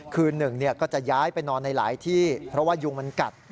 คืนหนึ่งก็จะย้ายไปนอนในหลายที่เพราะว่ายุงมันกัด